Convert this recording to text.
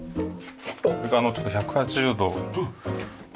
これがあのちょっと１８０度。